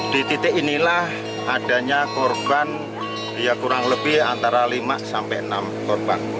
di titik inilah adanya korban kurang lebih antara lima sampai enam korban